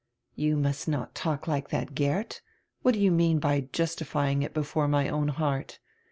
"You must not talk like that, Geert What do you mean by 'justifying it before my own heart?'